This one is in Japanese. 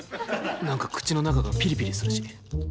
何か口の中がピリピリするし。